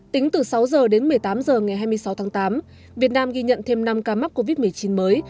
tính từ sáu h đến một mươi tám h ngày hai mươi sáu tháng tám việt nam ghi nhận thêm năm ca mắc covid một mươi chín mới